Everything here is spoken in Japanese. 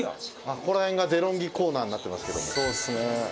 ここら辺がデロンギコーナーになってますけど。